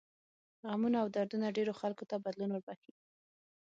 غمونه او دردونه ډېرو خلکو ته بدلون وربښي.